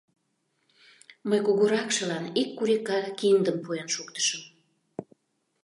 Мый кугуракшылан ик курика киндым пуэн шуктышым...